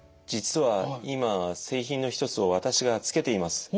実は今製品の一つを私がつけています。